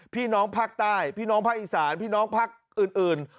พี่น้องภาคใต้พี่น้องภาคอีสานพี่น้องภาคอื่น